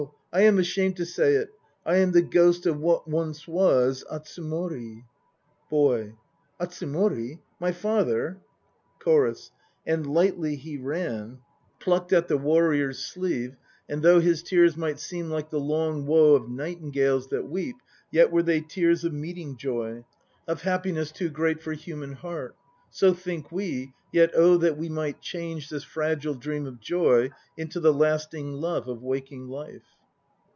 I am ashamed to say it. I am the ghost of what once was ... Atsumori. BOY. Atsumori? My father ... CHORUS. And lightly he ran, 1 Adapted from a poem in the Shin KokiruhA. 48 THE NO PLAYS OF JAPAN Plucked at the warrior's sleeve, And though his tears might seem like the long woe Of nightingales that weep, Yet were they tears of meeting joy, Of happiness too great for human heart. So think we, yet oh that we might change This fragile dream of joy Into the lasting love of waking life!